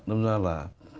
nói ra là